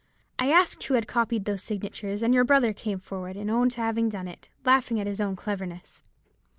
I asked who had copied those signatures, and your brother came forward and owned to having done it, laughing at his own cleverness.